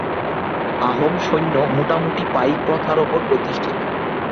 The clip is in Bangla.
আহোম সৈন্য মোটামুটি পাইক প্রথার উপর প্রতিষ্ঠিত।